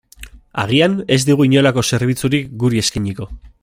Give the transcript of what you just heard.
Agian, ez digu inolako zerbitzurik guri eskainiko.